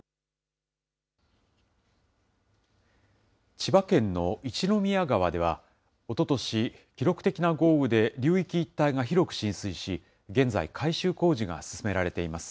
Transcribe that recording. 千葉県の一宮川では、おととし、記録的な豪雨で流域一帯が広く浸水し、現在、改修工事が進められています。